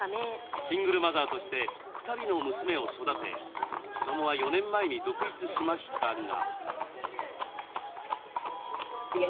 シングルマザーとして２人の娘を育て子どもは４年前に独立しましたが。